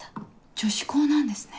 女子校なんですね。